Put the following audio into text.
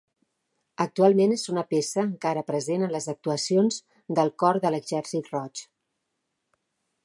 Actualment és una peça encara present en les actuacions del Cor de l'Exèrcit Roig.